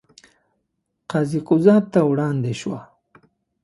قاضي قضات ته وړاندې شوه.